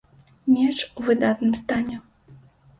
Меч у выдатным стане.